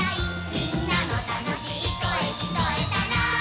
「みんなのたのしいこえきこえたら」